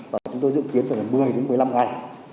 và chúng tôi dự kiến từ một mươi đến một mươi năm ngày